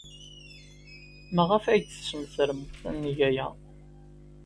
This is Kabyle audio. Maɣef ay d-tesmetremt ad neg aya?